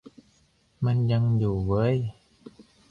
มันยังอยู่เว้ย